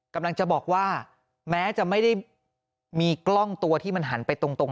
กำลังจะบอกว่าแม้จะไม่ได้มีกล้องตัวที่มันหันไปตรง